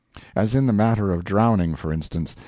As in the matter of drowning, for instance.